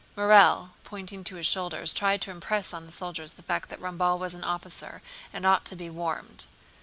Morel, pointing to his shoulders, tried to impress on the soldiers the fact that Ramballe was an officer and ought to be warmed.